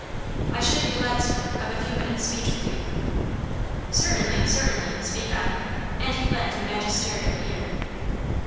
"I should be glad, sir, of a few minutes' speech with you." "Certainly certainly; speak on;" and he lent a magisterial ear.